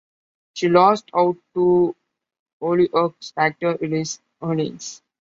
She lost out to "Hollyoaks" actor Ellis Hollins.